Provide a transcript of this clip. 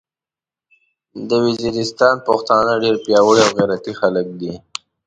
د ویزیریستان پختانه ډیر پیاوړي او غیرتي خلک دې